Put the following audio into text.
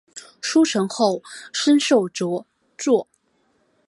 书成后升授着作。